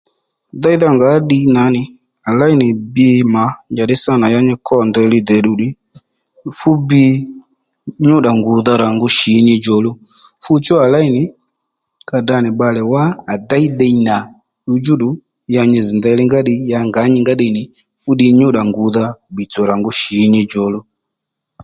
Déydha ngǎ ddiy nà nì à léy nì bbi mà njàddí sâ nà ya nyi kô ndeyli dèdù ddiy fú bbi nyúddà ngùdha rà ngu shì nyi djòluw fuchú à léy nì ka tdra nì bbalè wá à déy ddiy nà ddudjúddù ya nyi zz ndèyli ngá ddiy ya ngǎ nyǐ nga ddiy nì fúddiy nyúddà ngùdha bbìtsò rà ngu shì nyi djòluw